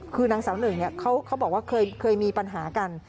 คือนางสาวหนึ่งเขาบอกว่าเคยมีปัญหากัน